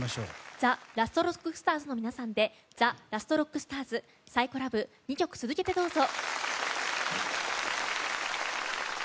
ＴＨＥＬＡＳＴＲＯＣＫＳＴＡＲＳの皆さんで「ＴＨＥＬＡＳＴＲＯＣＫＳＴＡＲＳ」「ＰｓｙｃｈｏＬｏｖｅ」２曲続けて、どうぞ。